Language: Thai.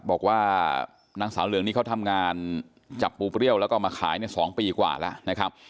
บอกว่านางสาวเหลืองนี่เขาทำงานจับปูเปรี้ยวแล้วก็มาขายใน๒ปีกว่าแล้วนะครับ